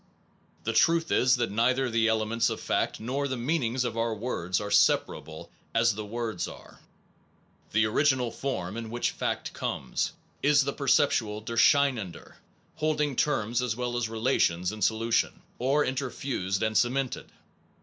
The truth is that neither the elements of fact nor the mean ings of our words are separable as the words are. The original form in which fact comes is the perceptual durcheinander, holding terms as well as relations in solution, or interfused and cemented.